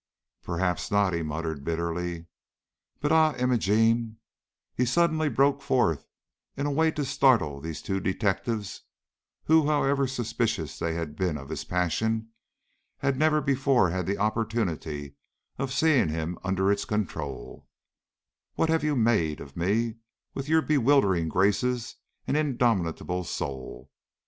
"Perhaps not," he muttered, bitterly; "but ah, Imogene," he suddenly broke forth, in a way to startle these two detectives, who, however suspicious they had been of his passion, had never before had the opportunity of seeing him under its control, "what have you made of me with your bewildering graces and indomitable soul?